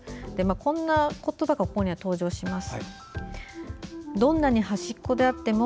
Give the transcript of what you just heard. こんな言葉がここには登場します。